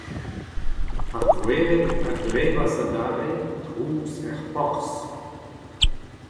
Ar voereb a glevas adarre trouz er porzh.